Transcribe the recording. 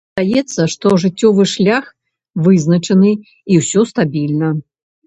Здаецца, што жыццёвы шлях вызначаны, і ўсё стабільна.